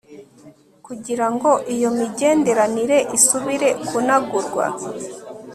kugira ngo iyo migenderanire isubire kunagurwa